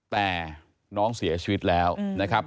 แต่น้องเสียชีวิตแล้วนะครับ